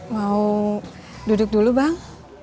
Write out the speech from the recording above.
mau duduk dulu bang